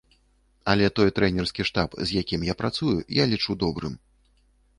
Але той трэнерскі штаб, з якім я працую, я лічу добрым.